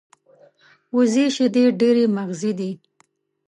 وزې شیدې ډېرې مغذي دي